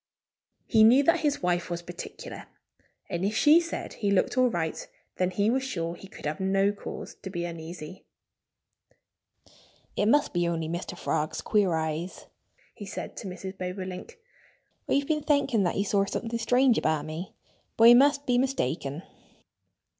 He knew that his wife was particular. And if she said he looked all right then he was sure he could have no cause to be uneasy. "It must be only Mr. Frog's queer eyes," he said to Mrs. Bobolink. "I've been thinking that he saw something strange about me. But I must be mistaken."